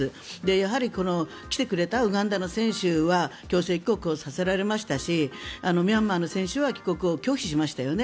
やはり来てくれた、ウガンダの選手は強制帰国をさせられましたしミャンマーの選手は帰国を拒否しましたよね。